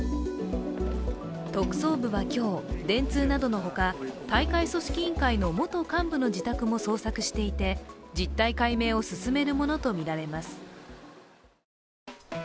特捜部は今日、電通などのほか、大会組織委員会の元幹部の自宅も捜索していて実態解明を進めるものとみられます。